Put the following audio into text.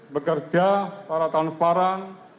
bekerja secara transparan